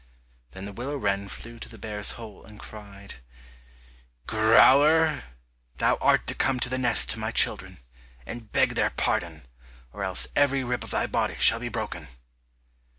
Then the willow wren flew to the bear's hole and cried, "Growler, thou art to come to the nest to my children, and beg their pardon, or else every rib of thy body shall be broken."